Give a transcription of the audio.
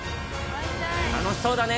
楽しそうだね。